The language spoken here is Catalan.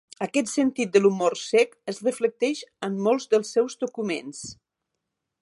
Aquest sentit de l'humor sec es reflecteix en molts dels seus documents.